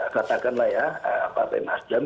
katakanlah ya pak femah jam